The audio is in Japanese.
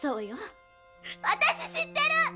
私、知ってる！